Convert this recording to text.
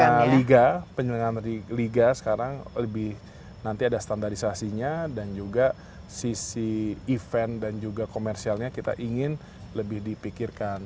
karena liga penyelenggaraan liga sekarang lebih nanti ada standarisasinya dan juga sisi event dan juga komersialnya kita ingin lebih dipikirkan